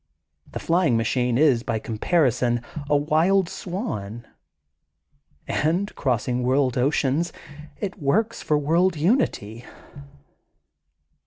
The flying machine is, by comparison, a wild swan. And, crossing world oceans, it works for world unity.''